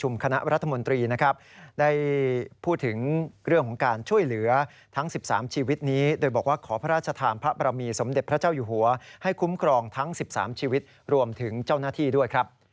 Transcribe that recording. หรือถึงเจ้าหน้าที่ด้วยครับ